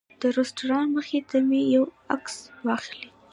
د رسټورانټ مخې ته مې یو عکس واخلي.